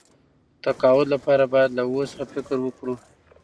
تقاعد لپاره باید له اوس څخه فکر وکړو.